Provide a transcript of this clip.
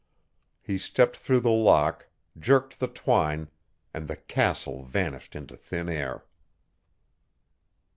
He stepped through the lock, jerked the twine, and the "castle" vanished into thin air.